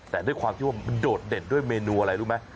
แต่ด้วยความที่ว่ามันโดดเด่นด้วยเมนูอะไรรู้ไหม